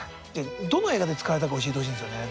どの映画で使われたか教えてほしいんですよね